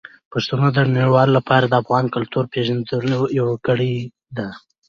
پښتو د نړیوالو لپاره د افغان کلتور پېژندلو یوه کړکۍ ده.